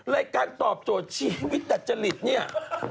รายการตอบโจทย์ชีวิตดัจจริตเนี่ย